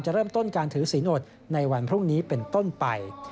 เริ่มต้นการถือศีลอดในวันพรุ่งนี้เป็นต้นไป